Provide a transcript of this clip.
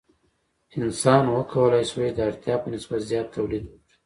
انسان وکولی شوای د اړتیا په نسبت زیات تولید وکړي.